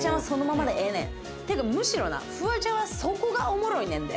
「っていうかむしろなフワちゃんはそこがおもろいねんで。